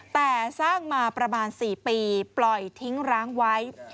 แต่สร้างมาประมาณ๔ปีปล่อยทิ้งร้างไว้